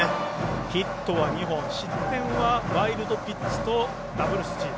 ヒットは２本、失点はワイルドピッチとダブルスチール。